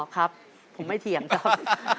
ครับผมไม่เถียงครับ